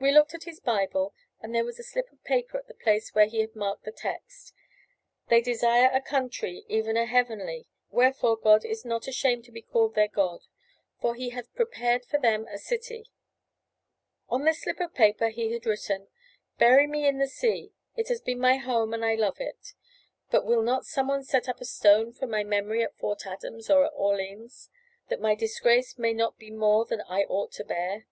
We looked in his Bible, and there was a slip of paper at the place where he had marked the text "They desire a country, even a heavenly: wherefore God is not ashamed to be called their God: for He hath prepared for them a city." On this slip of paper he had written: "Bury me in the sea; it has been my home, and I love it. But will not someone set up a stone for my memory at Fort Adams or at Orleans, that my disgrace may not be more than I ought to bear?